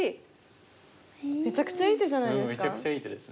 めちゃくちゃいい手じゃないですか。